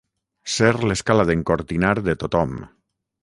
Ser l'escala d'encortinar de tothom.